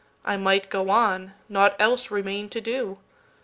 I might go on; nought else remain'd to do.